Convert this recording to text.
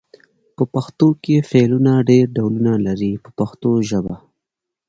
په پښتو کې فعلونه ډېر ډولونه لري په پښتو ژبه.